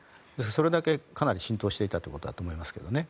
それだけ、かなり浸透していたということだと思いますけどね。